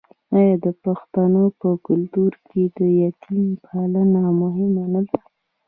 آیا د پښتنو په کلتور کې د یتیم پالنه مهمه نه ده؟